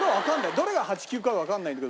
どれが８９かわかんないんだけど。